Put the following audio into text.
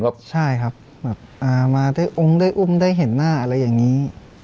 ใช่ครับแบบอ่ามาได้องค์ได้อุ้มได้เห็นหน้าอะไรอย่างนี้